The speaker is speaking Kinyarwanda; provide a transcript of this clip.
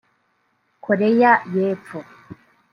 Koreya y’epfo